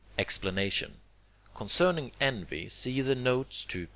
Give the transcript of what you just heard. Explanation Concerning envy see the notes to III.